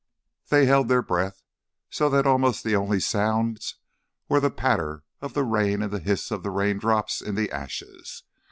They held their breath, so that almost the only sounds were the patter of the rain and the hiss of the raindrops in the ashes.